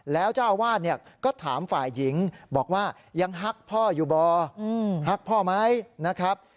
แล้วเจ้าอาวาสก็ถามฝ่ายหญิงบอกว่ายังฮักพ่ออยู่บ่อฮักพ่อไหมนะครับ